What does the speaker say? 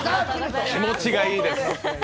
気持ちがいいです！